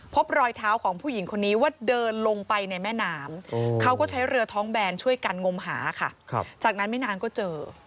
พบรอยเท้าของผู้หญิงคนนี้ว่าเดินลงไปในแม่น้ำเขาก็ใช้เรือท้องแบนช่วยกันงมหาค่ะจากนั้นไม่นานก็เจอ